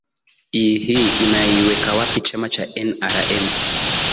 i hii inaiweka wapi chama cha nrm